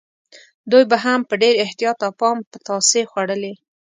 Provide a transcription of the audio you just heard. دوی به هم په ډېر احتیاط او پام پتاسې خوړلې.